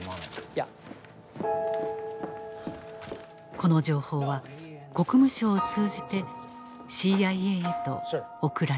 この情報は国務省を通じてＣＩＡへと送られた。